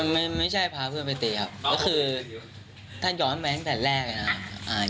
ไม่ใช่พาเพื่อนไปตีครับก็คือถ้าย้อนไปตั้งแต่แรกนะครับ